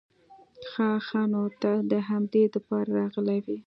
خه خه نو ته د همدې د پاره راغلې وې؟